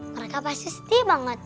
mereka pasti sedih banget